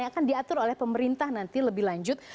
yang akan diatur oleh pemerintah nanti lebih lanjut